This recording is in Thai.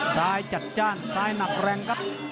จัดจ้านซ้ายหนักแรงครับ